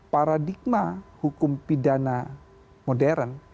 paradigma hukum pidana modern